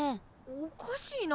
おかしいな。